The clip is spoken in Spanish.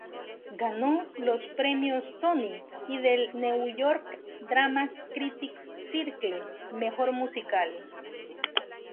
Ganó los Premios Tony y del New York Drama Critics 'Circle Mejor Musical.